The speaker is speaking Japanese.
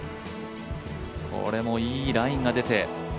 これもいいラインが出て。